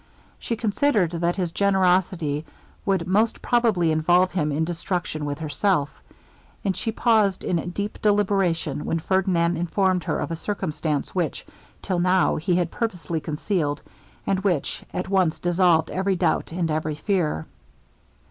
She considered that his generosity would most probably involve him in destruction with herself; and she paused in deep deliberation, when Ferdinand informed her of a circumstance which, till now, he had purposely concealed, and which at once dissolved every doubt and every fear.